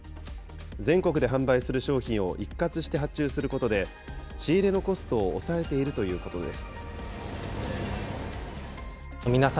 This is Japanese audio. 全国で販売する商品を一括して発注することで、仕入れのコストを抑えているということです。